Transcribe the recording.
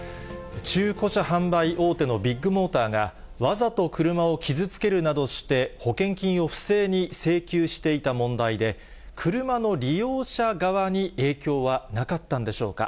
中古車販売大手のビッグモーターが、わざと車を傷つけるなどして、保険金を不正に請求していた問題で、車の利用者側に影響はなかったんでしょうか。